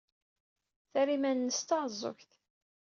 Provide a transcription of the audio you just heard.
Terra iman-nnes d taɛeẓẓugt.